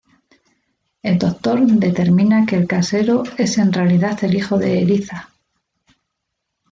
El Doctor determina que el casero es en realidad el hijo de Eliza.